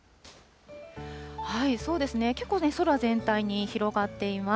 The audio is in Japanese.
そうですね、結構ね、空全体に広がっています。